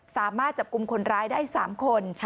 สามารถจับกลุ่มคนร้ายได้๓คน